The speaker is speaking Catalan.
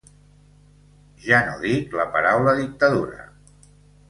Ja no dic la paraula dictadura.